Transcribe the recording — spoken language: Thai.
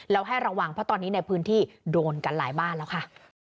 แล้วให้ระวังเพราะตอนนี้ในพื้นที่โดนกันหลายบ้านแล้วค่ะ